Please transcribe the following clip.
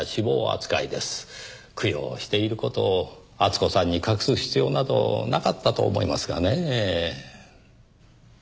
供養している事を厚子さんに隠す必要などなかったと思いますがねぇ。